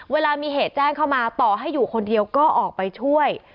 เวลามีเหตุแจ้งเข้ามาต่อให้อยู่คนเดียวก็ออกไปช่วย